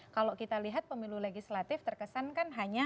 kalau kita lihat pemilu legislatif terkesan kan hanya